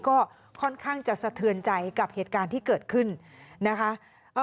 ก็ค่อนข้างจะสะเทือนใจกับเหตุการณ์ที่เกิดขึ้นนะคะ